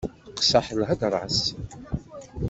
Teqseḥ lhedra-s.